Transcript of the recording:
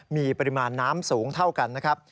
มีปริมาณน้ำสูงเท่ากันนะครับ